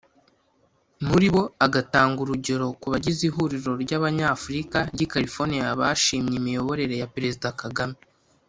muri bo agatanga urugero ku bagize Ihuriro ry’Abanyafurika ry’i California bashimye imiyoborere ya Perezida Kagame